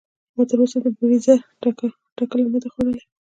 ما تر اوسه د بریځر ټکله نده خودلي.